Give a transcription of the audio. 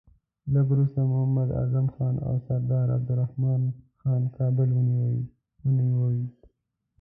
لږ وروسته محمد اعظم خان او سردار عبدالرحمن خان کابل ونیوی.